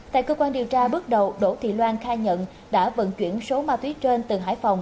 tại cơ quan điều tra bước đầu đỗ thị loan khai nhận đã vận chuyển số ma túy trên từ hải phòng